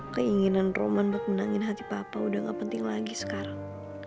keinginan roman buat menangin hati papa udah gak penting lagi sekarang